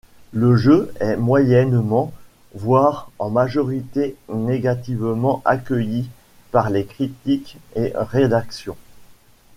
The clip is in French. Le jeu est moyennement, voir en majorité négativement accueilli par les critiques et rédactions.